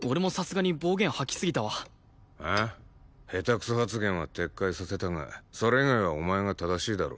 「ヘタクソ」発言は撤回させたがそれ以外はお前が正しいだろ。